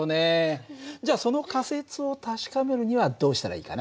じゃあその仮説を確かめるにはどうしたらいいかな？